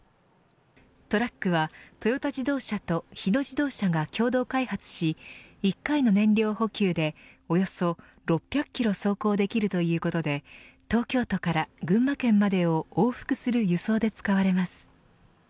トラックはトヨタ自動車と日野自動車が共同開発し１回の燃料補給でおよそ６００キロ走行できるということで東京都から群馬県までを往復する輸送で使われます。